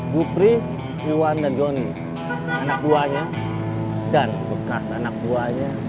jupri iwan dan joni anak buahnya dan bekas anak buahnya